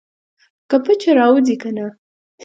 که پچه راوځي کنه.